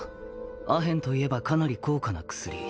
アヘンといえばかなり高価な薬。